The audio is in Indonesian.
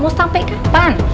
mau sampai kapan